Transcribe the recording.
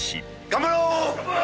頑張ろう！